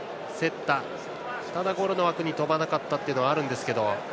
ただ、ゴールの枠に飛ばなかったというのはあるんですけど。